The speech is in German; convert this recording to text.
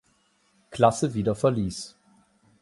Klasse wieder verließ.